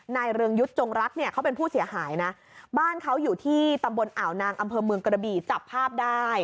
เรืองยุทธ์จงรักเนี่ยเขาเป็นผู้เสียหายนะบ้านเขาอยู่ที่ตำบลอ่าวนางอำเภอเมืองกระบี่จับภาพได้